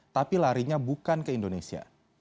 tapi larinya bukan ke indonesia